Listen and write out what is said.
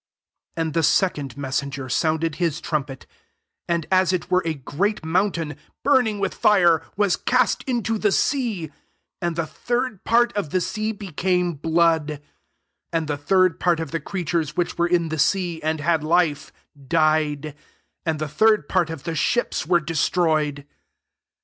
8 And the second messenger sounded his trumpet ; and, as it were a great mountain, barn ing [ftfiih Jire^'] was cast into the sea : and the third part of the sea became blood; 9 and the third part of the creatures [vfhich vfere^ in the sea, and had life, died; and the third part of the ships were destroyed.